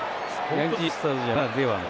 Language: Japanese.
ヤンキースタジアムならではの。